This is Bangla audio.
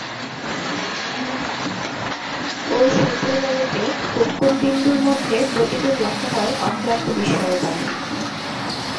ওর শুভ্রললাটে কুঙ্কুমবিন্দুর মধ্যে প্রতিদিন লেখা হয় অক্লান্ত বিস্ময়ের বাণী।